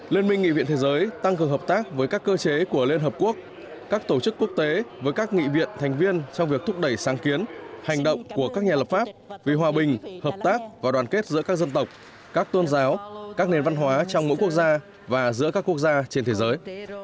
liên minh nghị viện thế giới tăng cường hợp tác với các cơ chế của liên hợp quốc các tổ chức quốc tế với các nghị viện thành viên trong việc thúc đẩy sáng kiến hành động của các nhà lập pháp vì hòa bình hợp tác và đoàn kết giữa các dân tộc các tôn giáo các nền văn hóa trong mỗi quốc gia và giữa các quốc gia trên thế giới